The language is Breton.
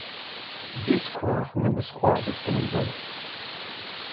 Biskoazh ne 'm eus c'hoarzhet kement-all.